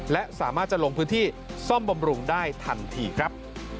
และสามารถจะลงพื้นที่ซ่อมบำรุงได้ทันทีครับ